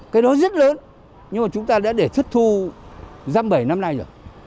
cái đó rất lớn nhưng mà chúng ta đã để thất thu giam bảy năm nay rồi